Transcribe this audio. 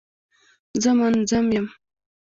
زه منظم یم.